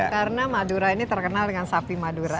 karena madura ini terkenal dengan sapi madura